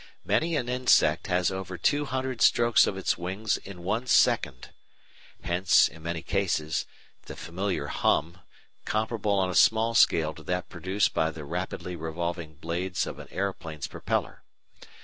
Many an insect has over two hundred strokes of its wings in one second. Hence, in many cases, the familiar hum, comparable on a small scale to that produced by the rapidly revolving blades of an aeroplane's propeller.